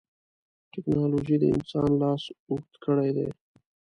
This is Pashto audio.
ټکنالوجي د انسان لاس اوږد کړی دی.